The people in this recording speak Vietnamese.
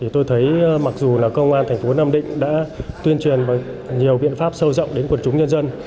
tôi thấy mặc dù công an thành phố nam định đã tuyên truyền nhiều biện pháp sâu rộng đến quần chúng nhân dân